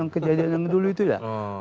kejadian yang dulu itu ya